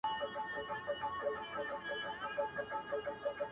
نسته له ابۍ سره شرنګی په الاهو کي؛